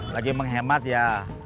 lagi menghemat ya